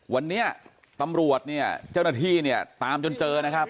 วันนี้ตำรวจเนี่ยเจ้าหน้าที่เนี่ยตามจนเจอนะครับ